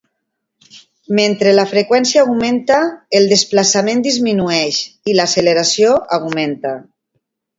Mentre la freqüència augmenta, el desplaçament disminueix, i l'acceleració augmenta.